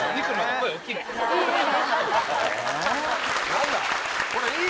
何だ。